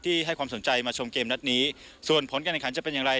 ให้ความสนใจมาชมเกมนัดนี้ส่วนผลการแข่งขันจะเป็นอย่างไร